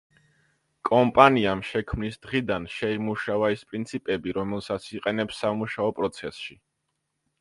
კომპანიამ შექმნის დღიდან შეიმუშავა ის პრინციპები, რომელსაც იყენებს სამუშაო პროცესში.